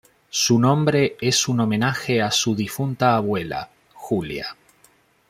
Su nombre es un homenaje a su difunta abuela, Julia.